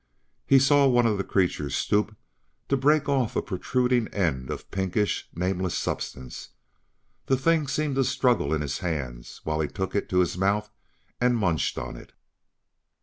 He saw one of the creatures stoop to break off a protruding end of pinkish, nameless substance; the thing seemed to struggle in his hands while he took it to his mouth and munched on it.